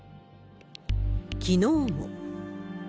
きのうも。